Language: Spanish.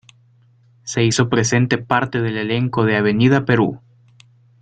Se hizo presente parte del elenco de "Avenida Perú".